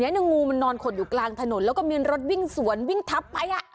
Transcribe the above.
งูมันนอนขดอยู่กลางถนนแล้วก็มีรถวิ่งสวนวิ่งทับไป